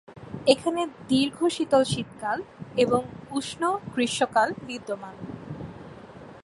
এখানে দীর্ঘ, শীতল শীতকাল এবং উষ্ম গ্রীষ্মকাল বিদ্যমান।